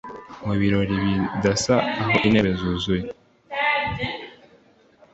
Mu birori bidasa aho intebe zuzuye